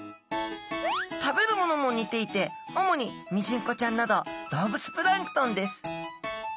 食べるものも似ていて主にミジンコちゃんなど動物プランクトンです。